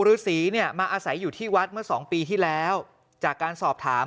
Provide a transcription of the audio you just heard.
ฤษีเนี่ยมาอาศัยอยู่ที่วัดเมื่อสองปีที่แล้วจากการสอบถาม